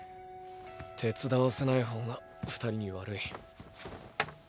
手伝わせないほうが２人に悪い。